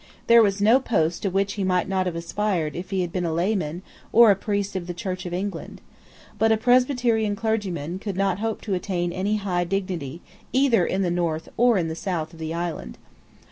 There was no post to which he might not have aspired if he had been a layman, or a priest of the Church of England. But a Presbyterian clergyman could not hope to attain any high dignity either in the north or in the south of the island.